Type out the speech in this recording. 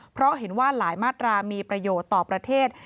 เพราะเห็นว่าหลายมาตรามีประโยชน์ต่อประเทศ